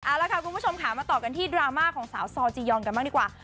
เอาละค่ะคุณผู้ชมค่ะมาต่อกันที่ดราม่าของสาวซอจียอนกันบ้างดีกว่า